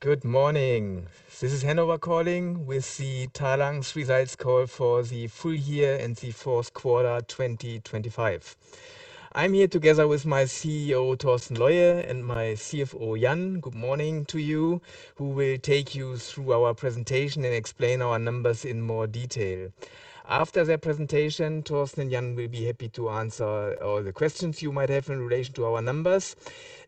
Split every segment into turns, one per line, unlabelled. Good morning. This is Hannover calling with the Talanx Results Call for the Full Year and the Fourth Quarter, 2025. I'm here together with my CEO, Torsten Leue, and my CFO, Jan. Good morning to you. Who will take you through our presentation and explain our numbers in more detail. After their presentation, Torsten and Jan will be happy to answer all the questions you might have in relation to our numbers.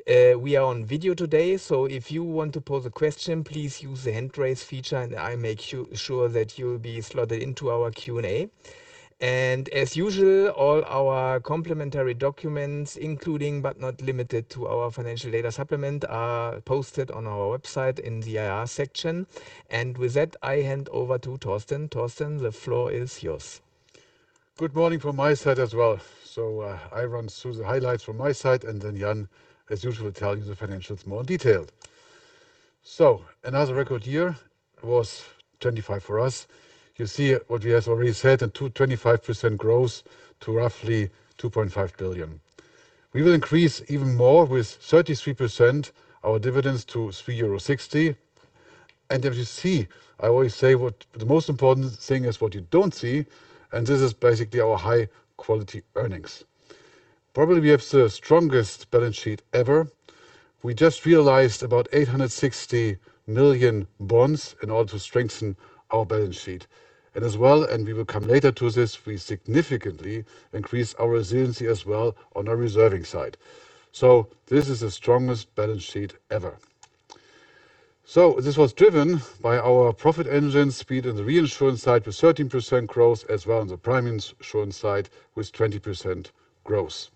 We are on video today, so if you want to pose a question, please use the hand raise feature and I make sure that you will be slotted into our Q&A. As usual, all our complementary documents, including, but not limited to our financial data supplement, are posted on our website in the IR section. With that, I hand over to Torsten. Torsten, the floor is yours.
Good morning from my side as well. I run through the highlights from my side, and then Jan, as usual, tell you the financials more in detail. Another record year was 2025 for us. You see what he has already said, a 2.25% growth to roughly 2.5 billion. We will increase even more with 33% our dividends to 3.60 euros. And as you see, I always say what the most important thing is what you don't see, and this is basically our high-quality earnings. Probably, we have the strongest balance sheet ever. We just raised about 860 million bonds in order to strengthen our balance sheet. And as well, we will come later to this, we significantly increase our resiliency as well on our reserving side. This is the strongest balance sheet ever. This was driven by our profit engine speed on the reinsurance side with 13% growth, as well on the primary insurance side with 20% growth.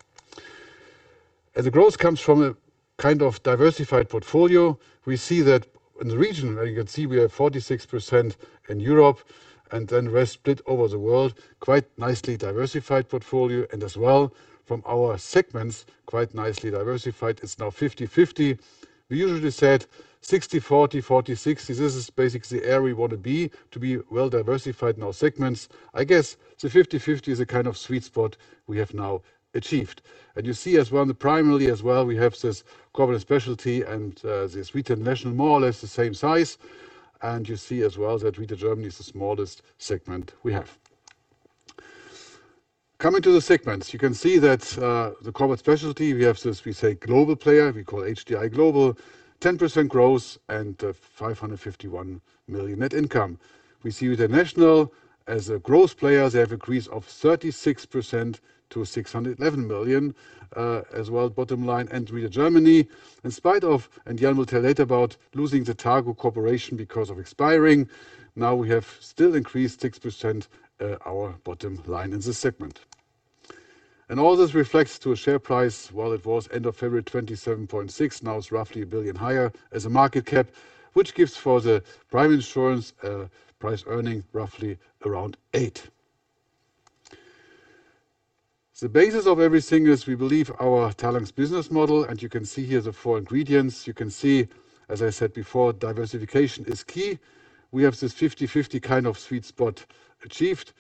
The growth comes from a kind of diversified portfolio. We see that in the region where you can see we have 46% in Europe and then the rest split over the world. Quite nicely diversified portfolio and as well from our segments, quite nicely diversified. It's now 50/50. We usually said 60/40/60. This is basically the area we want to be to be well-diversified in our segments. I guess the 50/50 is a kind of sweet spot we have now achieved. You see as well in the primary as well, we have this Corporate & Specialty and this Retail International more or less the same size. You see as well that Retail Germany is the smallest segment we have. Coming to the segments, you can see that, the Corporate & Specialty, we have this, we say, global player, we call HDI Global, 10% growth and 551 million net income. We see with the Reinsurance as a growth player, they have increased of 36% to 611 million, as well bottom line. Retail Germany, in spite of, and Jan will tell later about losing the Targobank cooperation because of expiring, now we have still increased 6%, our bottom line in this segment. All this reflects to a share price. While it was end of February, 27.6, now it's roughly 1 billion higher as a market cap, which gives for the Primary Insurance, P/E roughly around 8. The basis of everything is we believe our Talanx's business model, and you can see here the four ingredients. You can see, as I said before, diversification is key. We have this 50/50 kind of sweet spot achieved.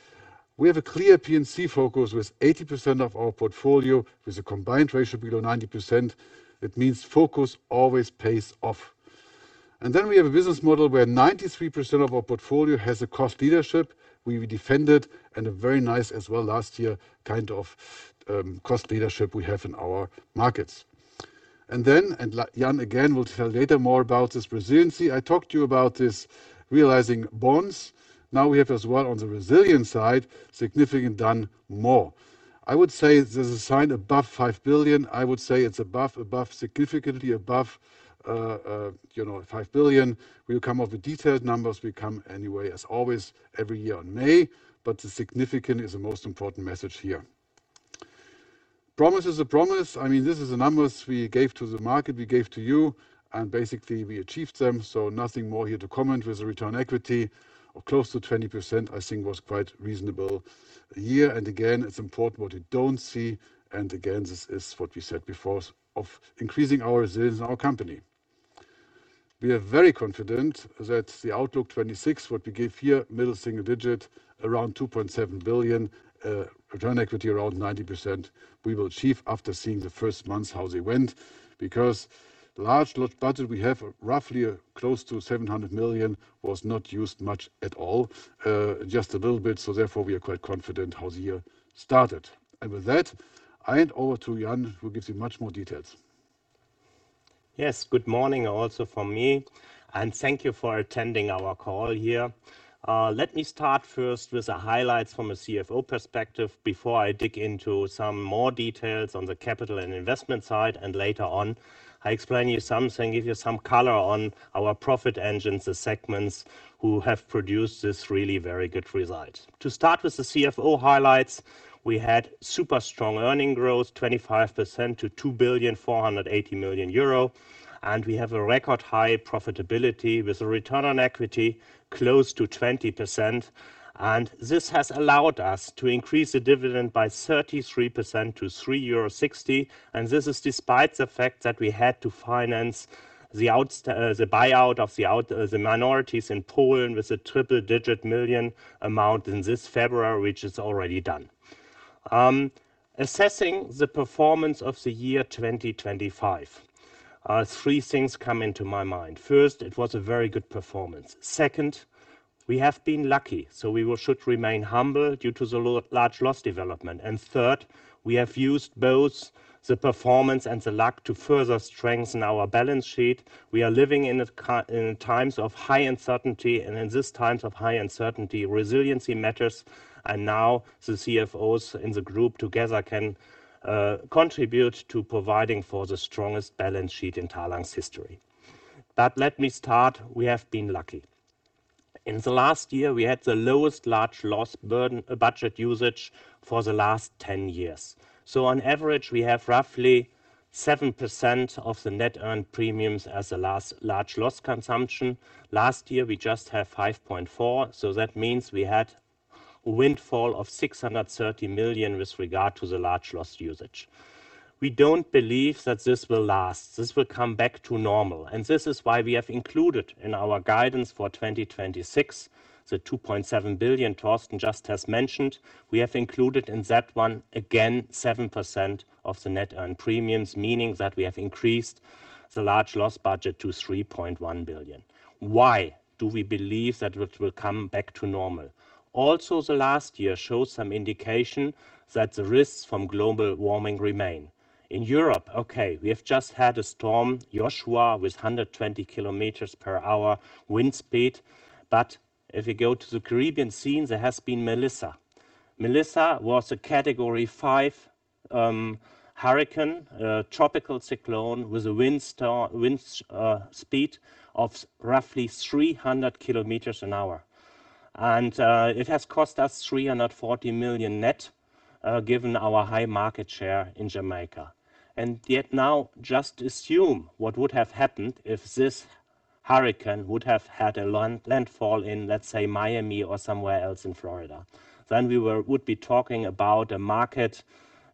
We have a clear P&C focus with 80% of our portfolio with a combined ratio below 90%. It means focus always pays off. We have a business model where 93% of our portfolio has a cost leadership. We defended and a very nice as well last year kind of cost leadership we have in our markets. Jan again will tell later more about this resilience. I talked to you about this realizing bonds. Now we have as well on the resilience side, significantly more. I would say there's a size above 5 billion. I would say it's above, significantly above, you know, 5 billion. We'll come up with detailed numbers. We come anyway, as always, every year on May. The significance is the most important message here. Promise is a promise. I mean, this is the numbers we gave to the market, we gave to you, and basically, we achieved them, so nothing more here to comment. With the return on equity of close to 20%, I think it was a quite reasonable year. Again, it's important what you don't see, and again, this is what we said before of increasing our resilience in our company. We are very confident that the outlook 2026, what we give here, middle single digit, around 2.7 billion, return on equity around 19% we will achieve after seeing the first months, how they went. Because large budget we have roughly close to 700 million was not used much at all, just a little bit. Therefore, we are quite confident how the year started. With that, I hand over to Jan, who gives you much more details.
Yes, good morning also from me, and thank you for attending our call here. Let me start first with the highlights from a CFO perspective before I dig into some more details on the capital and investment side. Later on, I explain you something, give you some color on our profit engines, the segments who have produced this really very good result. To start with the CFO highlights, we had super strong earnings growth, 25% to 2.48 billion. We have a record high profitability with a return on equity close to 20%. This has allowed us to increase the dividend by 33% to 3.60 euro. This is despite the fact that we had to finance the buyout of the minorities in Poland with a triple-digit million amount in this February, which is already done. Assessing the performance of the year 2025, three things come into my mind. First, it was a very good performance. Second, we have been lucky, so we should remain humble due to the large loss development. Third, we have used both the performance and the luck to further strengthen our balance sheet. We are living in times of high uncertainty, and in these times of high uncertainty, resiliency matters. Now the CFOs in the group together can contribute to providing for the strongest balance sheet in Talanx's history. Let me start, we have been lucky. In the last year, we had the lowest large loss burden, budget usage for the last 10 years. On average, we have roughly 7% of the net earned premiums as a large loss consumption. Last year, we just have 5.4%, so that means we had a windfall of 630 million with regard to the large loss usage. We don't believe that this will last. This will come back to normal. This is why we have included in our guidance for 2026, the 2.7 billion Torsten just has mentioned. We have included in that one, again, 7% of the net earned premiums, meaning that we have increased the large loss budget to 3.1 billion. Why do we believe that it will come back to normal? Also, last year shows some indication that the risks from global warming remain. In Europe, okay, we have just had a Storm Joshua with 120 km per hour wind speed. But if you go to the Caribbean scene, there has been Melissa. Melissa was a Category 5 tropical cyclone with a wind speed of roughly 300 km an hour. It has cost us 340 million net, given our high market share in Jamaica. Yet now just assume what would have happened if this hurricane would have had a landfall in, let's say, Miami or somewhere else in Florida. We would be talking about a market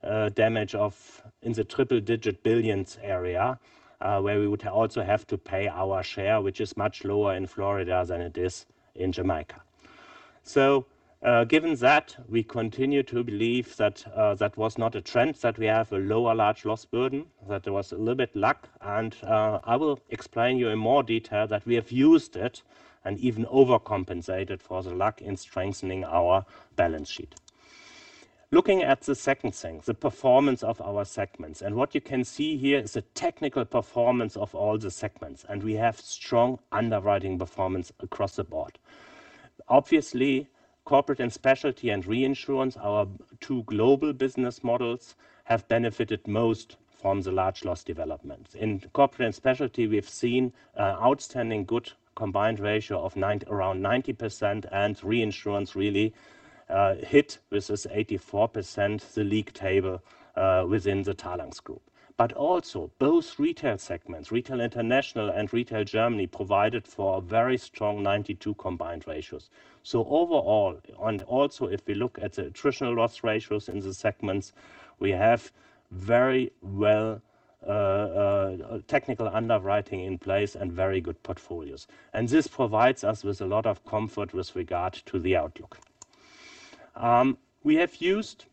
damage in the triple-digit billions area, where we would also have to pay our share, which is much lower in Florida than it is in Jamaica. Given that, we continue to believe that that was not a trend, that we have a lower large loss burden, that there was a little bit luck. I will explain you in more detail that we have used it and even overcompensated for the luck in strengthening our balance sheet. Looking at the second thing, the performance of our segments. What you can see here is the technical performance of all the segments, and we have strong underwriting performance across the board. Obviously, Corporate & Specialty and Reinsurance, our two global business models have benefited most from the large loss development. In Corporate & Specialty, we've seen outstanding good combined ratio of around 90% and Reinsurance really hit, with this 84%, the league table within the Talanx's group. Both retail segments, Retail International and Retail Germany, provided for a very strong 92% combined ratios. Overall, and also if we look at the attritional loss ratios in the segments, we have very well technical underwriting in place and very good portfolios. This provides us with a lot of comfort with regard to the outlook. We have used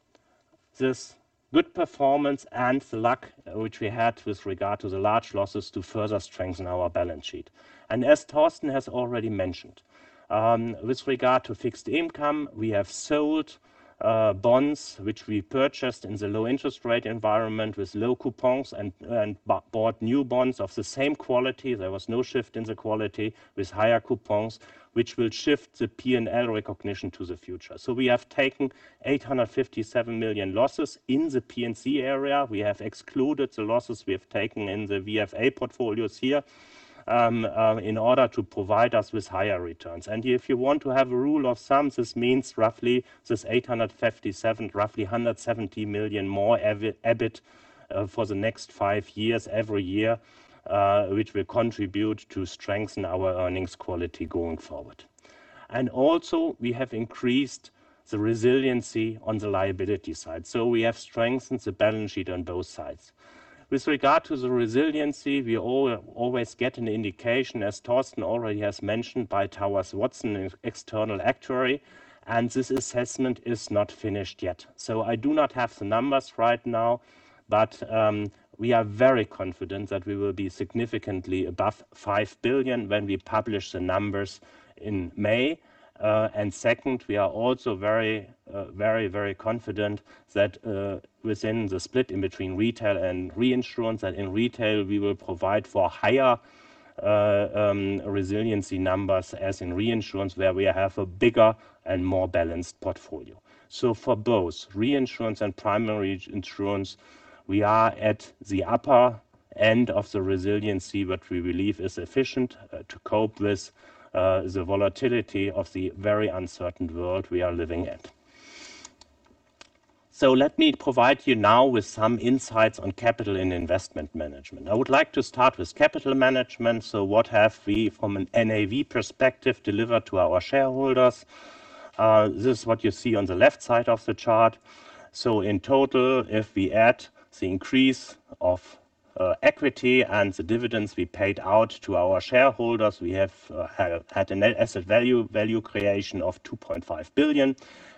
this good performance and the luck which we had with regard to the large losses to further strengthen our balance sheet. As Torsten has already mentioned, with regard to fixed income, we have sold bonds which we purchased in the low interest rate environment with low coupons and bought new bonds of the same quality. There was no shift in the quality with higher coupons, which will shift the P&L recognition to the future. We have taken 857 million losses in the P&C area. We have excluded the losses we have taken in the VFA portfolios here in order to provide us with higher returns. If you want to have a rule of thumb, this means roughly 857 million, roughly 170 million more EBIT for the next five years, every year, which will contribute to strengthen our earnings quality going forward. We have also increased the resiliency on the liability side. We have strengthened the balance sheet on both sides. With regard to the resiliency, we always get an indication, as Torsten already has mentioned, by Willis Towers Watson, an external actuary, and this assessment is not finished yet. I do not have the numbers right now, but we are very confident that we will be significantly above 5 billion when we publish the numbers in May. Second, we are also very confident that within the split in between retail and reinsurance, that in retail, we will provide for higher resiliency numbers as in reinsurance, where we have a bigger and more balanced portfolio. For both reinsurance and primary insurance, we are at the upper end of the resiliency that we believe is efficient to cope with the volatility of the very uncertain world we are living in. Let me provide you now with some insights on capital and investment management. I would like to start with capital management. What have we from an NAV perspective delivered to our shareholders? This is what you see on the left side of the chart. In total, if we add the increase of equity and the dividends we paid out to our shareholders, we have had a net asset value creation of 2.5 billion.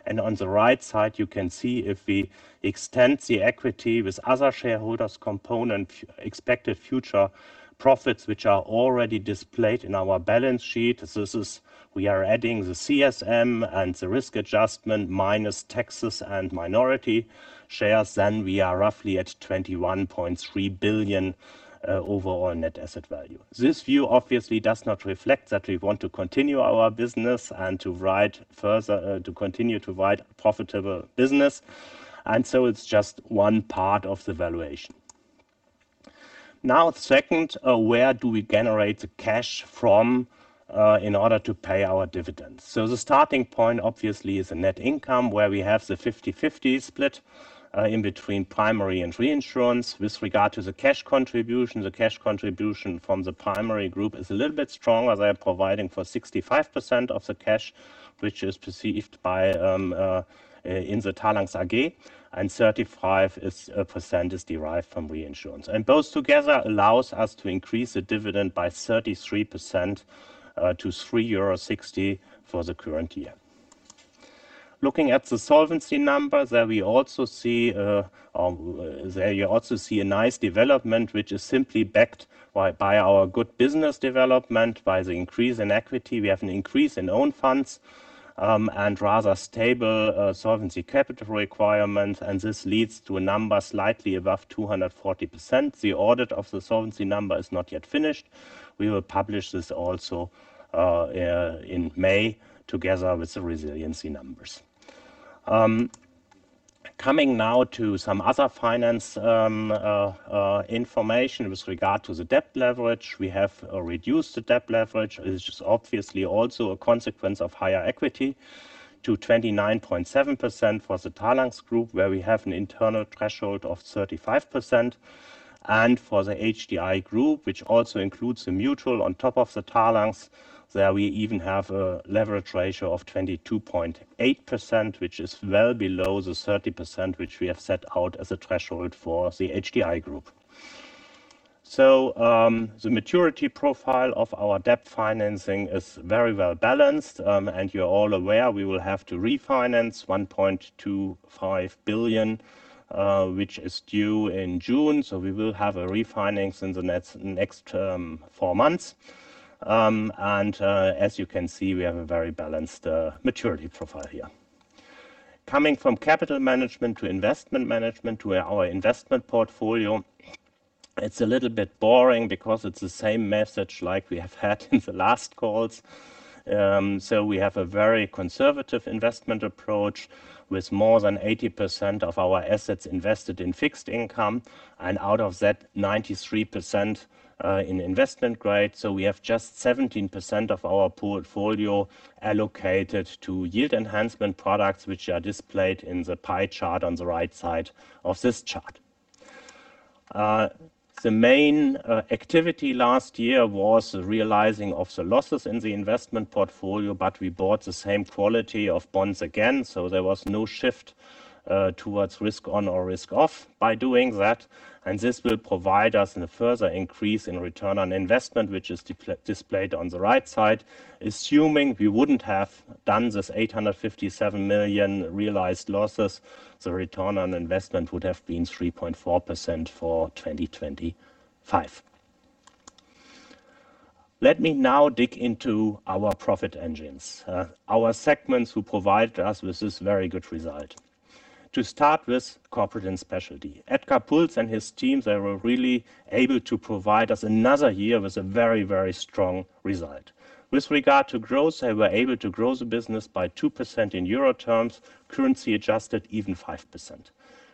On the right side, you can see if we extend the equity with other shareholders component expected future profits, which are already displayed in our balance sheet. This is we are adding the CSM and the risk adjustment minus taxes and minority shares, then we are roughly at 21.3 billion overall net asset value. This view obviously does not reflect that we want to continue our business and to write further to continue to write profitable business, and so it's just one part of the valuation. Now second, where do we generate the cash from in order to pay our dividends? The starting point obviously is the net income, where we have the 50-50 split in between primary and reinsurance. With regard to the cash contribution, the cash contribution from the primary group is a little bit stronger. They are providing for 65% of the cash, which is received by in the Talanx AG, and 35% is derived from reinsurance. Those together allows us to increase the dividend by 33% to 3.60 euro for the current year. Looking at the solvency numbers there we also see a nice development which is simply backed by our good business development. By the increase in equity, we have an increase in own funds and rather stable solvency capital requirement, and this leads to a number slightly above 240%. The audit of the solvency number is not yet finished. We will publish this also in May together with the resiliency numbers. Coming now to some other financial information with regard to the debt leverage. We have reduced the debt leverage, which is obviously also a consequence of higher equity to 29.7% for the Talanx Group, where we have an internal threshold of 35%. For the HDI Group, which also includes the mutual on top of the Talanx, there we even have a leverage ratio of 22.8%, which is well below the 30% which we have set out as a threshold for the HDI Group. The maturity profile of our debt financing is very well balanced. You're all aware we will have to refinance 1.25 billion, which is due in June. We will have a refinancing in the next four months. As you can see, we have a very balanced maturity profile here. Coming from capital management to investment management to our investment portfolio, it's a little bit boring because it's the same message like we have had in the last calls. We have a very conservative investment approach with more than 80% of our assets invested in fixed income and out of that, 93% in investment grade. We have just 17% of our portfolio allocated to yield enhancement products, which are displayed in the pie chart on the right side of this chart. The main activity last year was the realizing of the losses in the investment portfolio, but we bought the same quality of bonds again, so there was no shift towards risk on or risk off by doing that. This will provide us a further increase in return on investment, which is displayed on the right side. Assuming we wouldn't have done this 857 million realized losses, the return on investment would have been 3.4% for 2025. Let me now dig into our profit engines. Our segments who provided us with this very good result. To start with Corporate & Specialty. Edgar Puls and his team, they were really able to provide us another year with a very, very strong result. With regard to growth, they were able to grow the business by 2% in euro terms, currency adjusted even 5%.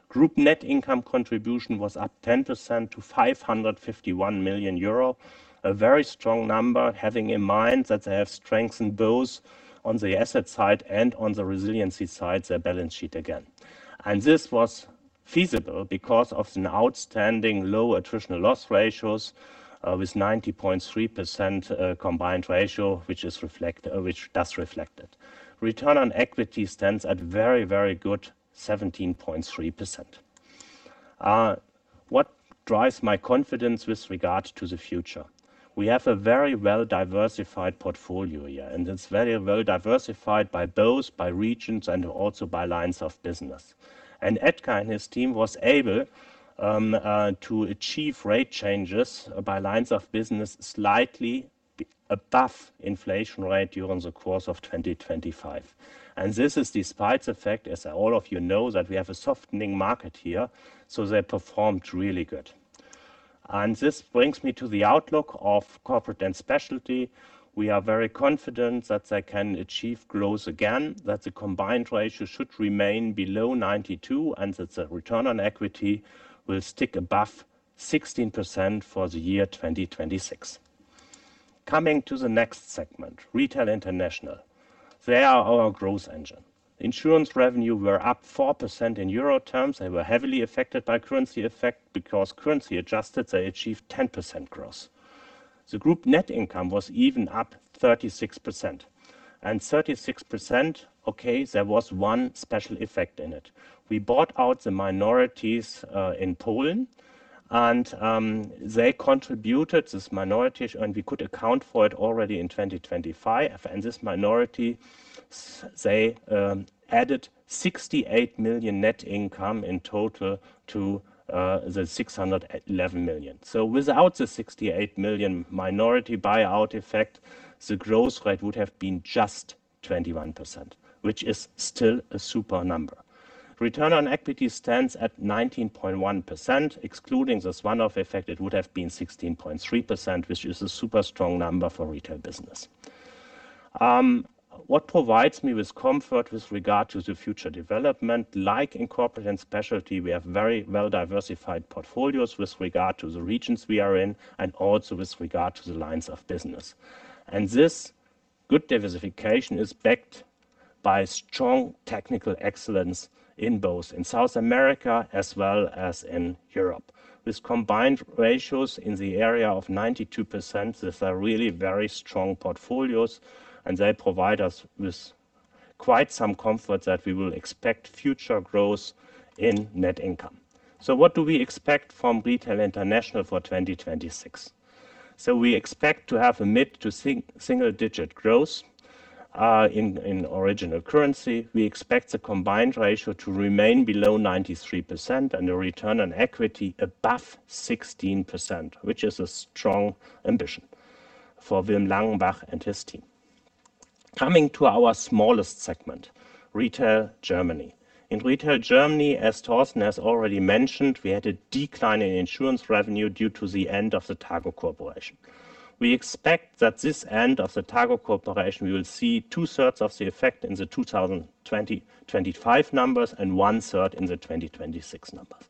Group net income contribution was up 10% to 551 million euro. A very strong number, having in mind that they have strengthened both on the asset side and on the resiliency side, their balance sheet again. This was feasible because of an outstanding low attritional loss ratios with 90.3% combined ratio, which does reflect it. Return on equity stands at very, very good 17.3%. What drives my confidence with regard to the future? We have a very well-diversified portfolio here, and it's very well diversified by both regions and also by lines of business. Edgar and his team was able to achieve rate changes by lines of business slightly above inflation rate during the course of 2025. This is despite the fact, as all of you know, that we have a softening market here, so they performed really good. This brings me to the outlook of Corporate & Specialty. We are very confident that they can achieve growth again. That the combined ratio should remain below 92%, and that the return on equity will stick above 16% for the year 2026. Coming to the next segment, Retail International. They are our growth engine. Insurance revenue were up 4% in euro terms. They were heavily affected by currency effect because currency adjusted they achieved 10% growth. The group net income was even up 36%. 36%, okay, there was one special effect in it. We bought out the minorities in Poland, and they contributed, this minorities, and we could account for it already in 2025. This minority they added 68 million net income in total to the 611 million. Without the 68 million minority buyout effect, the growth rate would have been just 21%, which is still a super number. Return on equity stands at 19.1%. Excluding this one-off effect, it would have been 16.3%, which is a super strong number for retail business. What provides me with comfort with regard to the future development, like in Corporate & Specialty, we have very well-diversified portfolios with regard to the regions we are in and also with regard to the lines of business. This good diversification is backed by strong technical excellence in both South America as well as in Europe. With combined ratios in the area of 92%, these are really very strong portfolios, and they provide us with quite some comfort that we will expect future growth in net income. What do we expect from Retail International for 2026? We expect to have a mid- to single-digit growth in original currency. We expect the combined ratio to remain below 93% and a return on equity above 16%, which is a strong ambition for Wilm Langenbach and his team. Coming to our smallest segment, Retail Germany. In Retail Germany, as Torsten has already mentioned, we had a decline in insurance revenue due to the end of the Targobank cooperation. We expect that this end of the Targobank cooperation, we will see 2/3 of the effect in the 2025 numbers and 1/3 in the 2026 numbers.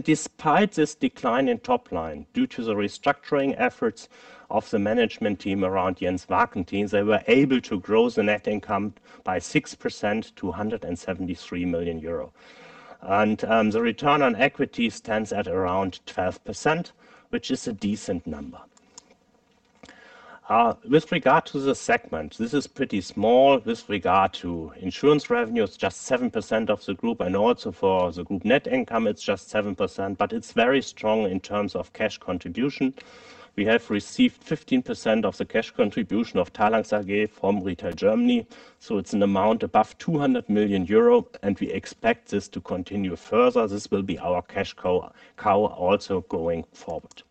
Despite this decline in top line, due to the restructuring efforts of the management team around Jens Warkentin, they were able to grow the net income by 6% to 173 million euro. The return on equity stands at around 12%, which is a decent number. With regard to the segment, this is pretty small. With regard to insurance revenue, it's just 7% of the group and also for the group net income, it's just 7%, but it's very strong in terms of cash contribution. We have received 15% of the cash contribution of Talanx AG from Retail Germany, so it's an amount above 200 million euro, and we expect this to continue further. This will be our cash cow also going forward.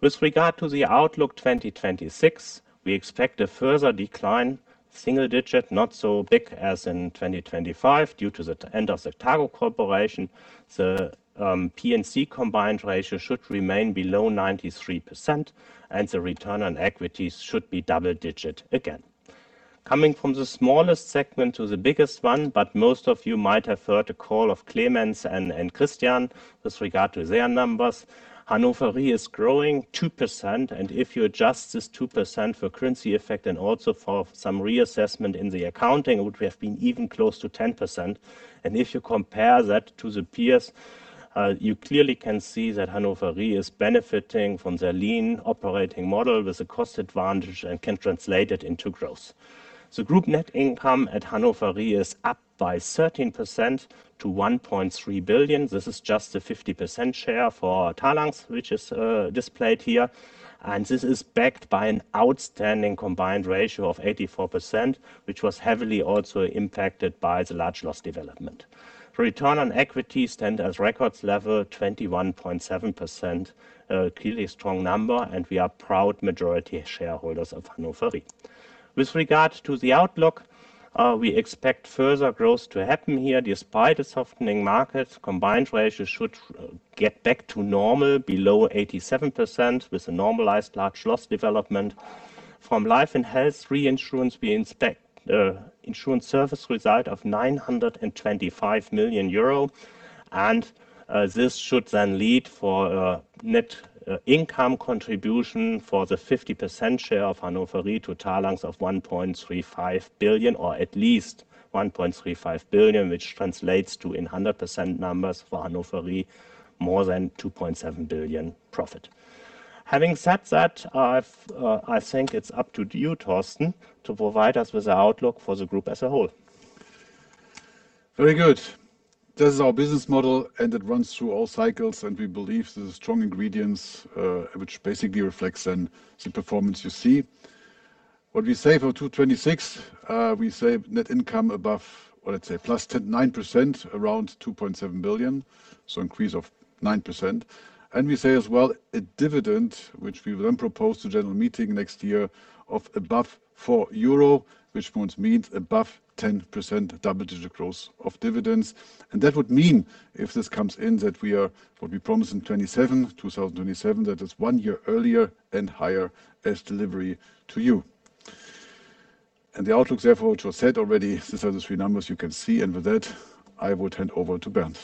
With regard to the outlook 2026, we expect a further decline, single-digit, not so big as in 2025 due to the end of the Targobank cooperation. The P&C combined ratio should remain below 93%, and the return on equities should be double-digit again. Coming from the smallest segment to the biggest one, but most of you might have heard the call of Clemens and Christian with regard to their numbers. Hannover Re is growing 2%, and if you adjust this 2% for currency effect and also for some reassessment in the accounting, it would have been even close to 10%. If you compare that to the peers, you clearly can see that Hannover Re is benefiting from their lean operating model with a cost advantage and can translate it into growth. The group net income at Hannover Re is up by 13% to 1.3 billion. This is just a 50% share for Talanx, which is displayed here. This is backed by an outstanding combined ratio of 84%, which was heavily also impacted by the large loss development. The return on equity stands at a record level of 21.7%. Clearly strong number, and we are proud majority shareholders of Hannover Re. With regard to the outlook, we expect further growth to happen here despite a softening market. Combined ratio should get back to normal below 87% with a normalized large loss development. From life and health reinsurance, we expect insurance service result of 925 million euro, and this should then lead for a net income contribution for the 50% share of Hannover Re to Talanx of 1.35 billion or at least 1.35 billion, which translates to in 100% numbers for Hannover Re more than 2.7 billion profit. Having said that, I think it's up to you, Torsten, to provide us with the outlook for the group as a whole.
Very good. This is our business model, and it runs through all cycles, and we believe the strong ingredients, which basically reflects in the performance you see. What we say for 2026, we say net income above, well, let's say 9%, around 2.7 billion, so increase of 9%. We say as well a dividend, which we will then propose to general meeting next year of above 4 euro, which in turn means above 10% double-digit growth of dividends. That would mean if this comes in that we are what we promised in 2027, that is one year earlier and higher as delivery to you. The outlooks therefore which were said already, these are the three numbers you can see. With that, I would hand over to Bernd.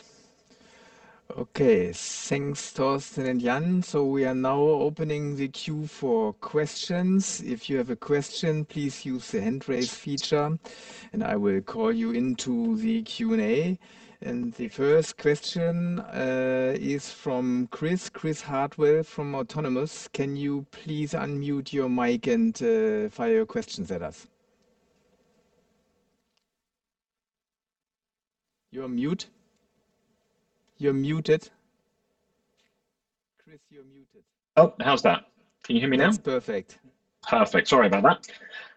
Okay. Thanks, Torsten and Jan. We are now opening the queue for questions. If you have a question, please use the hand raise feature, and I will call you into the Q&A. The first question is from Chris Hartwell from Autonomous. Can you please unmute your mic and fire your questions at us? You're mute. You're muted. Chris, you're muted.
Oh, how's that? Can you hear me now?
That's perfect.
Perfect. Sorry about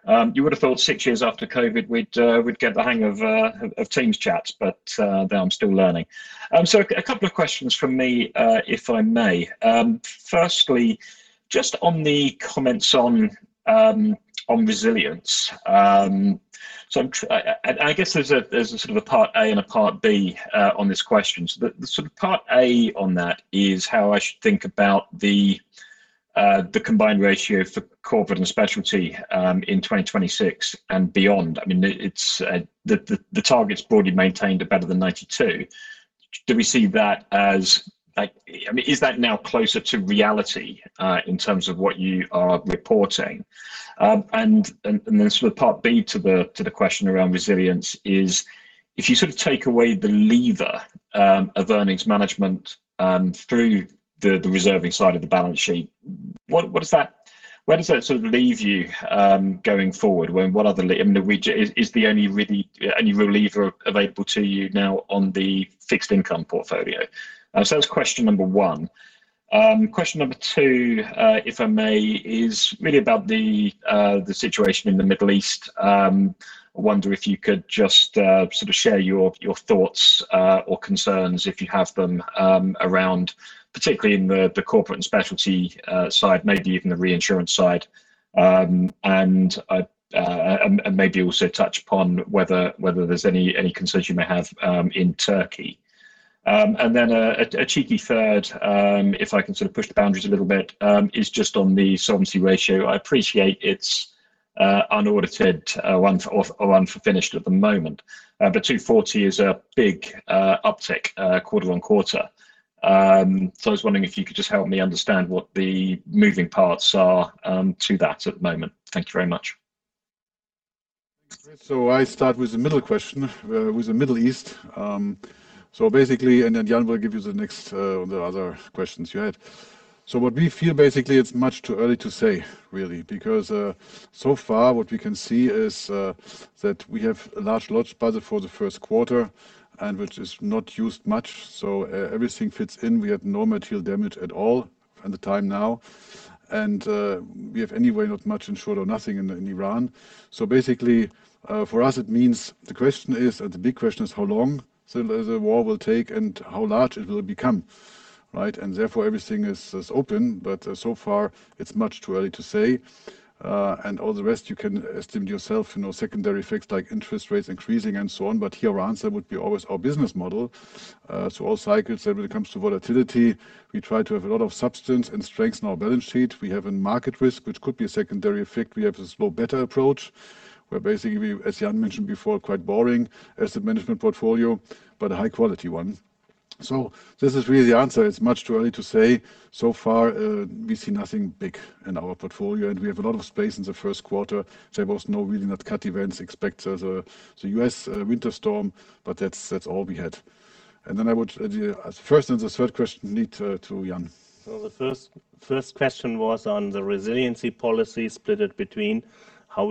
that. You would have thought six years after COVID, we'd get the hang of Teams chats, but no, I'm still learning. A couple of questions from me, if I may. Firstly, just on the comments on resilience. And I guess there's a sort of a part A and a part B on this question. The sort of part A on that is how I should think about the combined ratio for Corporate & Specialty in 2026 and beyond. I mean, it's the target is broadly maintained at better than 92%. Do we see that as like I mean, is that now closer to reality in terms of what you are reporting? Sort of part B to the question around resilience is if you sort of take away the lever of earnings management through the reserving side of the balance sheet, what does that, where does that sort of leave you going forward? I mean, the regime is the only real lever available to you now on the fixed income portfolio. That's question number one. Question number two, if I may, is really about the situation in the Middle East. I wonder if you could just sort of share your thoughts or concerns if you have them around, particularly in the Corporate & Specialty side, maybe even the reinsurance side. Maybe also touch upon whether there's any concerns you may have in Turkey. A cheeky third, if I can sort of push the boundaries a little bit, is just on the solvency ratio. I appreciate it's unaudited or unfinished at the moment. 240% is a big uptick quarter-over-quarter. I was wondering if you could just help me understand what the moving parts are to that at the moment. Thank you very much.
I start with the middle question with the Middle East. Basically, then Jan will give you the next or the other questions you had. What we feel basically, it's much too early to say really, because so far what we can see is that we have a large loss budget for the first quarter and which is not used much, so everything fits in. We had no material damage at all at this time. We have anyway not much insured or nothing in Iran. Basically, for us it means the question is, the big question is how long the war will take and how large it will become, right? Therefore, everything is open, but so far it's much too early to say. All the rest you can estimate yourself, you know, secondary effects like interest rates increasing and so on. Here our answer would be always our business model. All cycles when it comes to volatility, we try to have a lot of substance and strength in our balance sheet. We have a market risk, which could be a secondary effect. We have the low beta approach, where basically we, as Jan mentioned before, quite boring asset management portfolio, but a high quality one. This is really the answer. It's much too early to say. So far, we see nothing big in our portfolio, and we have a lot of space in the first quarter. There was no really not cat events except the U.S. winter storm, but that's all we had. I would the first and the third question lead to Jan.
The first question was on the resiliency policy, split it between how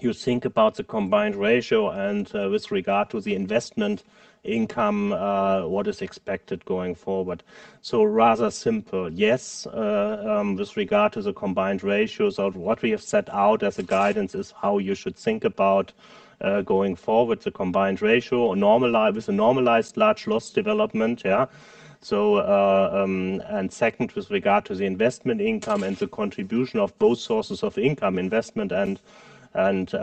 you should think about the combined ratio and with regard to the investment income what is expected going forward. Rather simple, yes, with regard to the combined ratios of what we have set out as a guidance is how you should think about going forward the combined ratio with a normalized large loss development. Second, with regard to the investment income and the contribution of both sources of income, investment and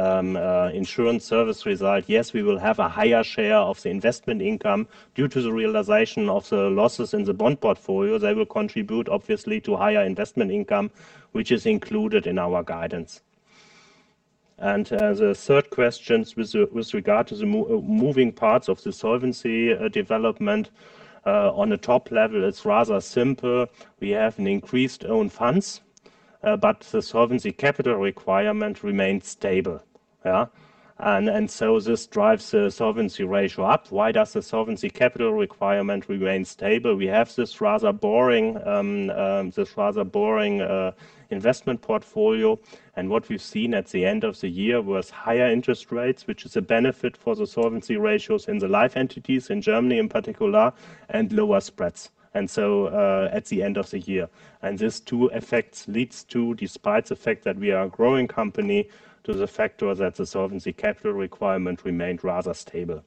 insurance service result, yes, we will have a higher share of the investment income due to the realization of the losses in the bond portfolio. They will contribute obviously to higher investment income, which is included in our guidance. As a third question with regard to the moving parts of the solvency development, on a top level, it's rather simple. We have an increase in own funds, but the solvency capital requirement remains stable, yeah? This drives the solvency ratio up. Why does the solvency capital requirement remain stable? We have this rather boring investment portfolio, and what we've seen at the end of the year was higher interest rates, which is a benefit for the solvency ratios in the life entities in Germany in particular, and lower spreads at the end of the year. These two effects leads to, despite the fact that we are a growing company, the fact that the solvency capital requirement remained rather stable.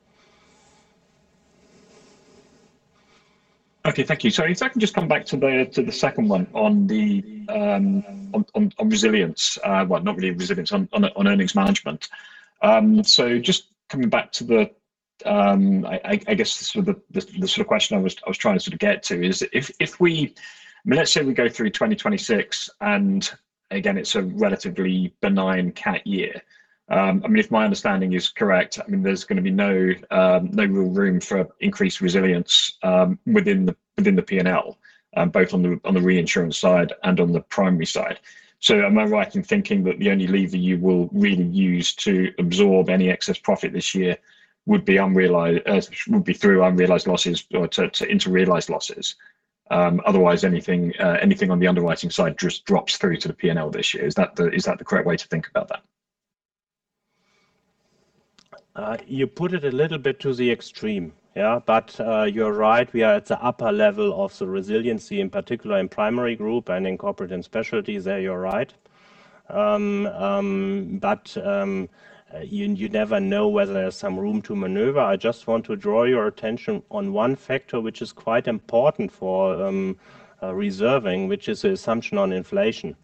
Okay. Thank you. If I can just come back to the second one on resilience. Well, not really resilience, on earnings management. Just coming back to, I guess, the sort of question I was trying to sort of get to is if we, I mean, let's say we go through 2026 and again, it's a relatively benign cat year. I mean, if my understanding is correct, I mean, there's gonna be no real room for increased resilience within the P&L, both on the reinsurance side and on the primary side. Am I right in thinking that the only lever you will really use to absorb any excess profit this year would be through unrealized losses or into realized losses? Otherwise anything on the underwriting side just drops through to the P&L this year. Is that the correct way to think about that?
You put it a little bit to the extreme. Yeah. You're right, we are at the upper level of the resiliency, in particular in primary group and in Corporate & Specialty. There you're right. You never know whether there's some room to maneuver. I just want to draw your attention on one factor, which is quite important for reserving, which is the assumption on inflation.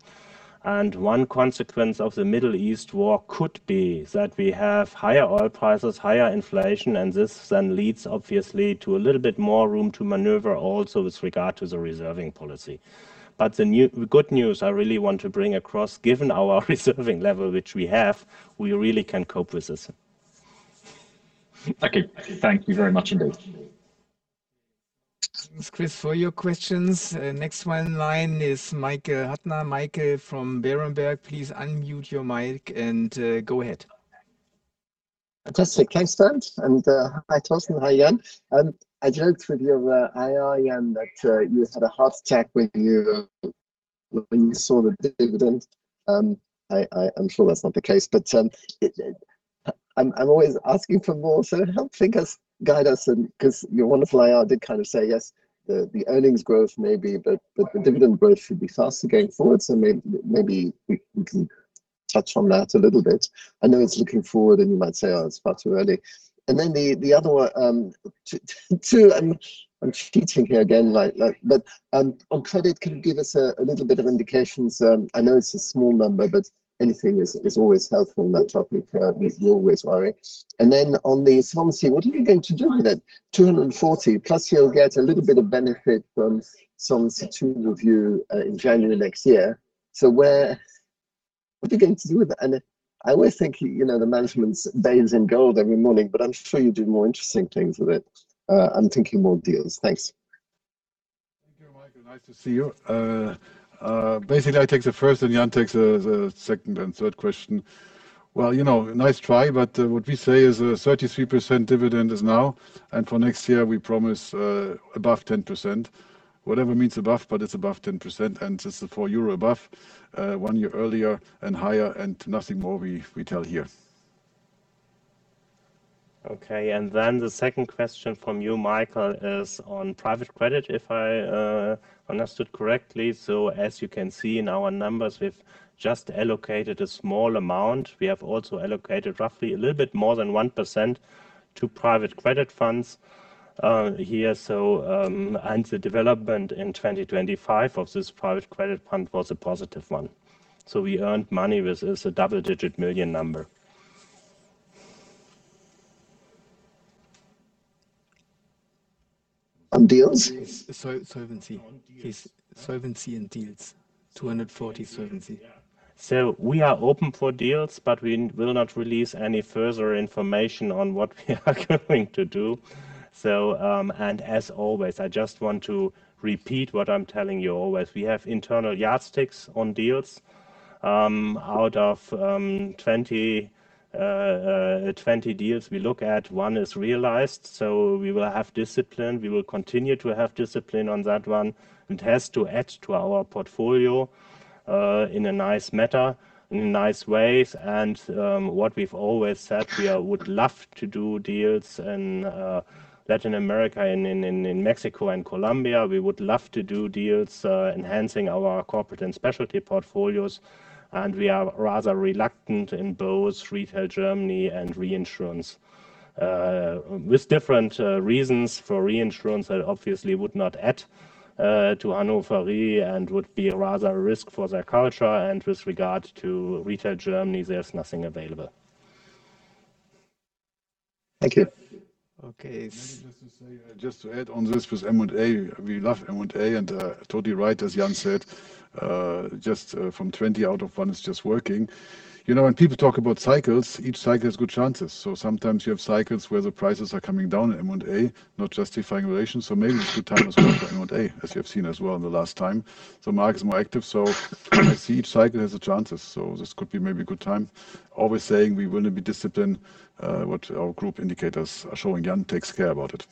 One consequence of the Middle East war could be that we have higher oil prices, higher inflation, and this then leads obviously to a little bit more room to maneuver also with regard to the reserving policy. The good news I really want to bring across, given our reserving level, which we have, we really can cope with this.
Okay. Thank you very much indeed.
Thanks, Chris, for your questions. Next on the line is Michael Huttner. Michael from Berenberg. Please unmute your mic and go ahead.
Fantastic. Thanks, Bernd. Hi, Torsten. Hi, Jan. I joked with your IR, Jan, that you had a heart attack when you saw the dividend. I'm sure that's not the case, but I'm always asking for more. Help us think, guide us, because your wonderful IR did kind of say, yes, the earnings growth may be, but the dividend growth should be faster going forward. Maybe we can touch on that a little bit. I know it's looking forward, and you might say, "Oh, it's far too early." Then the other one, too, I'm cheating here again. Like, on credit, can you give us a little bit of indications? I know it's a small number, but anything is always helpful on that topic. We always worry. On the solvency, what are you going to do with it? 240%, plus you'll get a little bit of benefit from some situation review in January next year. Where, what are you going to do with that? I always think you know the management bathes in gold every morning, but I'm sure you do more interesting things with it. I'm thinking more deals. Thanks.
Thank you, Michael. Nice to see you. Basically, I take the first and Jan takes the second and third question. Well, you know, nice try, but what we say is a 33% dividend is now, and for next year, we promise above 10%. Whatever means above, but it's above 10%, and this is 4 euro above one year earlier and higher, and nothing more we tell here.
Okay. The second question from you, Michael, is on private credit, if I understood correctly. As you can see in our numbers, we've just allocated a small amount. We have also allocated roughly a little bit more than 1% to private credit funds, here. The development in 2025 of this private credit fund was a positive one. We earned money with this, a double-digit million number.
On deals?
Yes. Solvency and deals. 240% solvency.
Yeah. We are open for deals, but we will not release any further information on what we are going to do. As always, I just want to repeat what I'm telling you always. We have internal yardsticks on deals. Out of 20 deals we look at, one is realized. We will have discipline. We will continue to have discipline on that one. It has to add to our portfolio, in a nice manner, in nice ways. What we've always said, we would love to do deals in Latin America and in Mexico and Colombia. We would love to do deals enhancing our Corporate & Specialty portfolios. We are rather reluctant in both Retail Germany and reinsurance, with different reasons. For reinsurance, that obviously would not add to Hannover Re and would be a rather risk for their culture. With regard to Retail Germany, there's nothing available.
Thank you.
Okay.
Maybe just to say, just to add on this, with M&A, we love M&A, and totally right, as Jan said, just from 20 out of funds just working. You know, when people talk about cycles, each cycle has good chances. Sometimes you have cycles where the prices are coming down in M&A, not justifying valuations. Maybe it's a good time as well for M&A, as you have seen as well in the last time. Market is more active, so as I see each cycle has its chances. This could be maybe a good time. Always saying we wanna be disciplined, what our group indicators are showing. Jan takes care about it.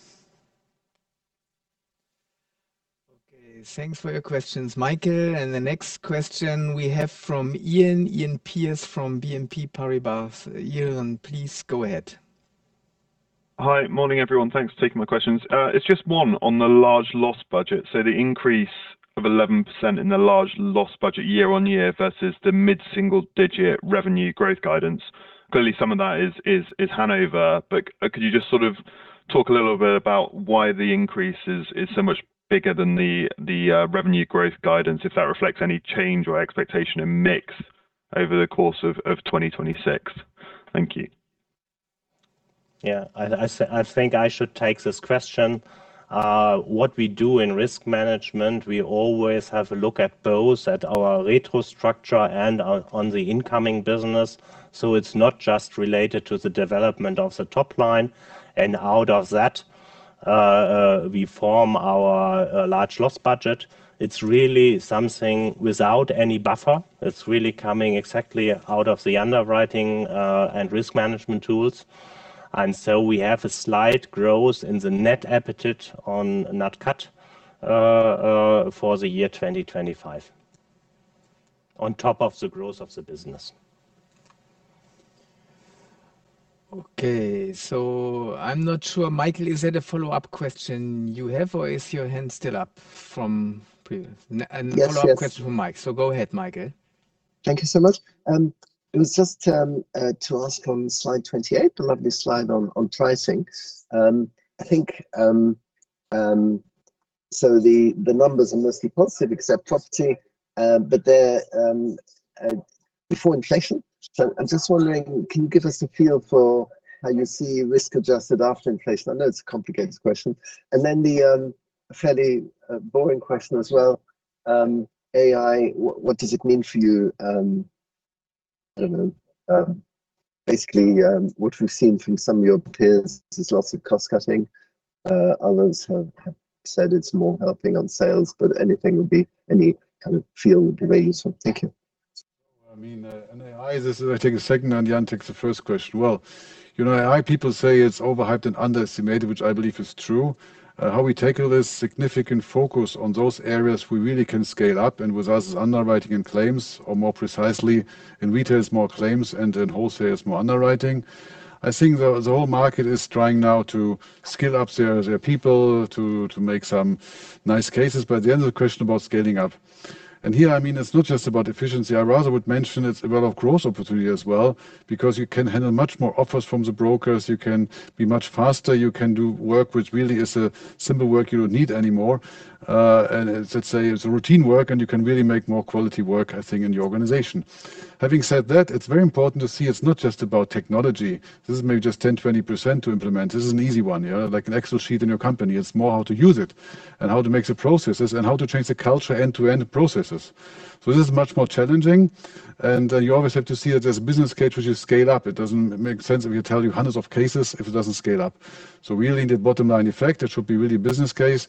Okay. Thanks for your questions, Michael. The next question we have from Iain Pearce from BNP Paribas. Iain, please go ahead.
Hi. Morning, everyone. Thanks for taking my questions. It's just one on the large loss budget. The increase of 11% in the large loss budget year-on-year versus the mid-single-digit revenue growth guidance. Clearly, some of that is Hannover, but could you just sort of talk a little bit about why the increase is so much bigger than the revenue growth guidance, if that reflects any change or expectation in mix over the course of 2026? Thank you.
Yeah. I think I should take this question. What we do in risk management, we always have a look at both our retro structure and on the incoming business. It's not just related to the development of the top line. Out of that, we form our large loss budget. It's really something without any buffer. It's really coming exactly out of the underwriting and risk management tools. We have a slight growth in the net appetite on net cat for the year 2025.
On top of the growth of the business.
Okay. I'm not sure, Michael, is that a follow-up question you have, or is your hand still up from previous?
Yes, yes.
A follow-up question from Mike. So go ahead, Michael.
Thank you so much. It was just to ask on slide 28, a lovely slide on pricing. I think so the numbers are mostly positive except property, but they're before inflation. I'm just wondering, can you give us a feel for how you see risk-adjusted after inflation? I know it's a complicated question. The fairly boring question as well, AI, what does it mean for you? I don't know. Basically, what we've seen from some of your peers is lots of cost-cutting. Others have said it's more helping on sales, but anything would be any kind of feel would be very useful. Thank you.
I mean, on AI, this is I take the second and Jan takes the first question. Well, you know, AI people say it's overhyped and underestimated, which I believe is true. How we tackle this significant focus on those areas we really can scale up, and with us is underwriting and claims, or more precisely, in retail is more claims and in wholesale is more underwriting. I think the whole market is trying now to skill up their people to make some nice cases. At the end of the question about scaling up. Here, I mean, it's not just about efficiency. I rather would mention it's about a growth opportunity as well because you can handle much more offers from the brokers, you can be much faster, you can do work which really is simple work you don't need anymore. Let's say it's a routine work, and you can really make more quality work, I think, in the organization. Having said that, it's very important to see it's not just about technology. This is maybe just 10%, 20% to implement. This is an easy one, yeah? Like an Excel sheet in your company. It's more how to use it and how to make the processes and how to change the culture end-to-end processes. This is much more challenging, and you always have to see it as a business case which you scale up. It doesn't make sense if you do hundreds of cases if it doesn't scale up. Really the bottom line effect, it should be really business case.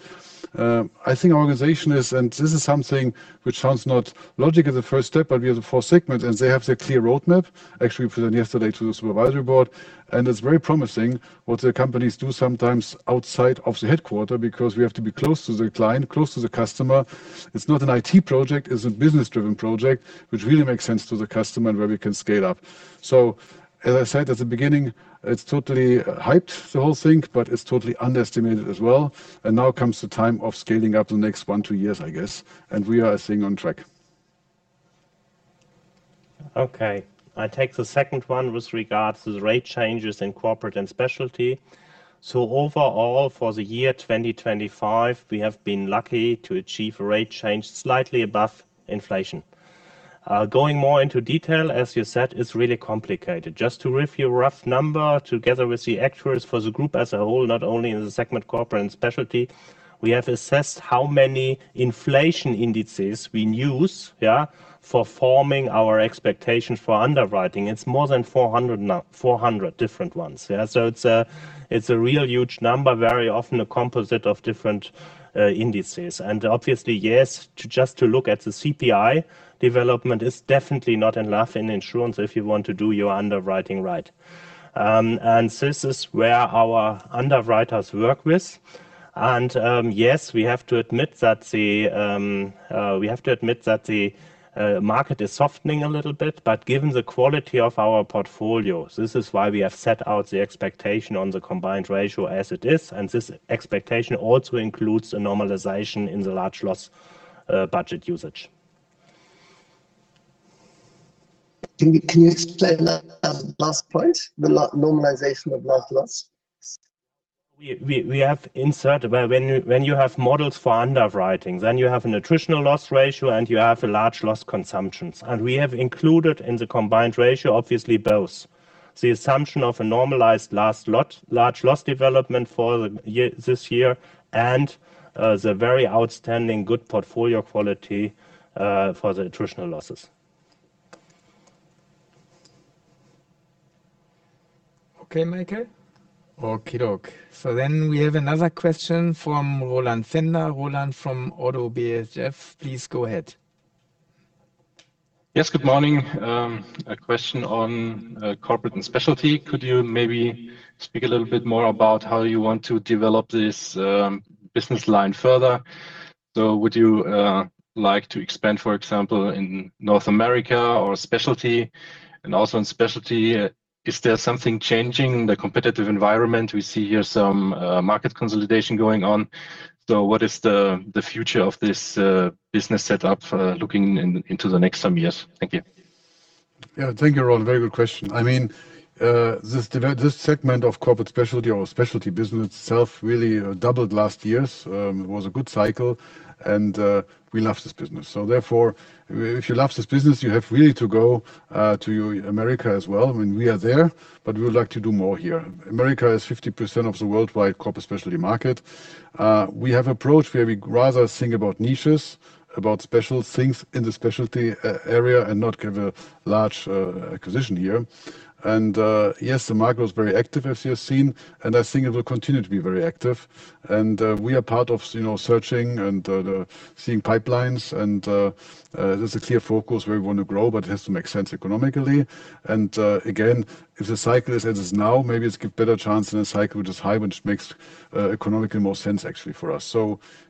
I think organization is, and this is something which sounds not logical the first step, but we have the four segments, and they have the clear roadmap. Actually, we presented yesterday to the supervisory board, and it's very promising what the companies do sometimes outside of the headquarters because we have to be close to the client, close to the customer. It's not an IT project, it's a business-driven project which really makes sense to the customer and where we can scale up. As I said at the beginning, it's totally hyped, the whole thing, but it's totally underestimated as well. Now comes the time of scaling up the next one, two years, I guess, and we are staying on track.
Okay. I take the second one with regards to the rate changes in Corporate & Specialty. Overall, for the year 2025, we have been lucky to achieve a rate change slightly above inflation. Going more into detail, as you said, it's really complicated. Just to give you a rough number together with the actuaries for the group as a whole, not only in the segment Corporate & Specialty, we have assessed how many inflation indices we use for forming our expectation for underwriting. It's more than 400 now, 400 different ones. It's a real huge number, very often a composite of different indices. Obviously, yes, to just to look at the CPI development is definitely not enough in insurance if you want to do your underwriting right. This is where our underwriters work with. Yes, we have to admit that the market is softening a little bit. Given the quality of our portfolios, this is why we have set out the expectation on the combined ratio as it is. This expectation also includes a normalization in the large loss budget usage.
Can you explain that last point, the normalization of large loss?
When you have models for underwriting, then you have an attritional loss ratio, and you have a large loss consumption. We have included in the combined ratio, obviously, both. The assumption of a normalized large loss development for the year, this year, and the very outstanding good portfolio quality for the attritional losses.
Okay, Michael? Okey doke. We have another question from Roland Pfänder. Roland from ODDO BHF, please go ahead.
Yes, good morning. A question on Corporate & Specialty. Could you maybe speak a little bit more about how you want to develop this business line further? Would you like to expand, for example, in North America or specialty? Also in specialty, is there something changing in the competitive environment? We see here some market consolidation going on. What is the future of this business setup looking into the next some years? Thank you.
Yeah. Thank you, Roland. Very good question. I mean, this segment of corporate specialty or specialty business itself really doubled last year. It was a good cycle, and we love this business. Therefore, if you love this business, you have really to go to America as well. I mean, we are there, but we would like to do more here. America is 50% of the worldwide corporate specialty market. We have an approach where we rather think about niches, about special things in the specialty area and not do a large acquisition here. Yes, the market was very active, as you have seen, and I think it will continue to be very active. We are part of, you know, searching and screening pipelines. There's a clear focus where we want to grow, but it has to make sense economically. Again, if the cycle is as is now, maybe it's a better chance than a cycle which is high, which makes economically more sense actually for us.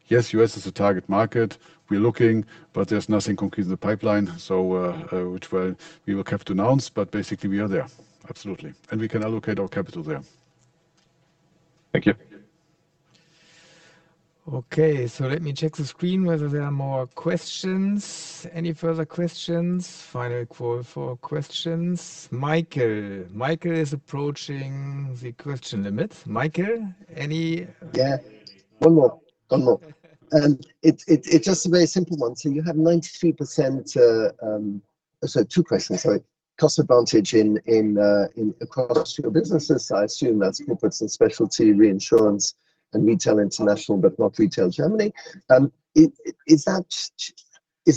Yes, U.S. is a target market. We're looking, but there's nothing concrete in the pipeline, which we will have to announce, but basically, we are there, absolutely. We can allocate our capital there.
Thank you.
Okay. Let me check the screen whether there are more questions. Any further questions? Final call for questions. Michael. Michael is approaching the question limit. Michael, any?
One more. It's just a very simple one. You have 93%. Two questions. Sorry. Cost advantage across your businesses. I assume that's Corporate & Specialty reinsurance and Retail International, but not Retail Germany. Is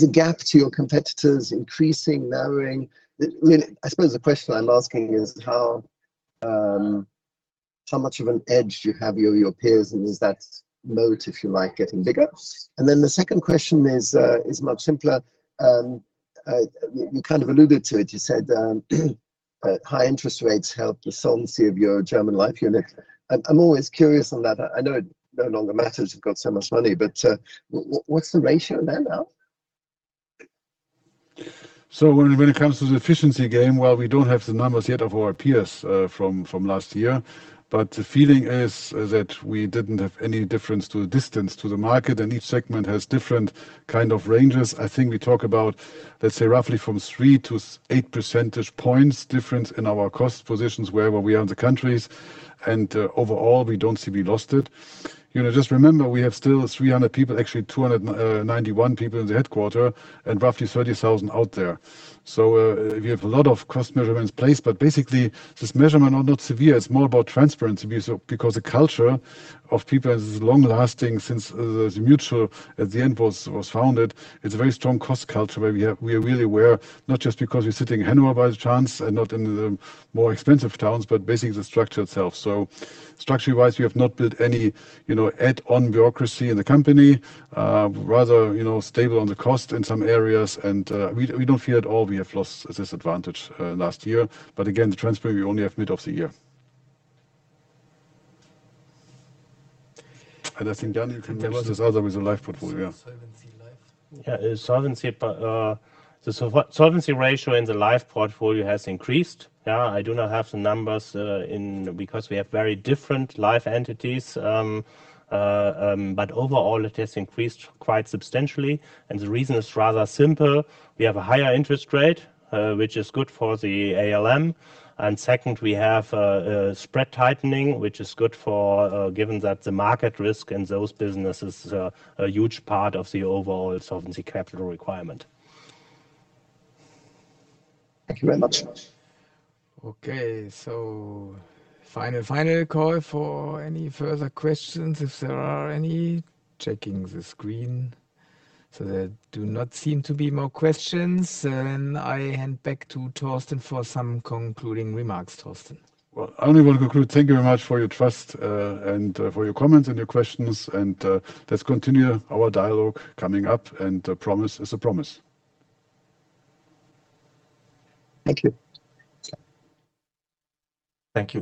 the gap to your competitors increasing, narrowing? I suppose the question I'm asking is how much of an edge you have over your peers, and is that moat, if you like, getting bigger? The second question is much simpler. You kind of alluded to it. You said high interest rates help the solvency of your German life unit. I'm always curious on that. I know it no longer matters, you've got so much money, but what's the ratio there now?
When it comes to the efficiency game, well, we don't have the numbers yet of our peers from last year. The feeling is that we didn't have any difference to the distance to the market, and each segment has different kind of ranges. I think we talk about, let's say, roughly from 3-8 percentage points difference in our cost positions wherever we are in the countries. Overall, we don't see we lost it. You know, just remember, we have still 300 people, actually 291 people in the headquarters and roughly 30,000 out there. We have a lot of cost measurements in place, but basically these measurements are not severe. It's more about transparency, because the culture of people is long-lasting, since the mutual at the end was founded. It's a very strong cost culture where we are. We are really aware, not just because we're sitting in Hanover by chance and not in the more expensive towns, but basically the structure itself. Structure-wise, we have not built any, you know, add-on bureaucracy in the company. Rather, you know, stable on the cost in some areas and we don't fear at all we have lost this advantage last year. Again, the transparency, we only have mid of the year. I think, Jan, you can answer this other with the life portfolio, solvency life.
Solvency ratio in the life portfolio has increased. I do not have the numbers in because we have very different life entities. Overall it has increased quite substantially, and the reason is rather simple. We have a higher interest rate, which is good for the ALM. Second, we have a spread tightening, which is good for, given that the market risk in those businesses is a huge part of the overall solvency capital requirement.
Thank you very much.
Okay. Final call for any further questions if there are any. Checking the screen. There do not seem to be more questions. I hand back to Torsten for some concluding remarks. Torsten.
Well, I only want to conclude. Thank you very much for your trust, and for your comments and your questions, and let's continue our dialogue coming up. A promise is a promise.
Thank you.
Thank you.